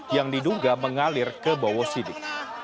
yang diduga mengalir ke bowo sidik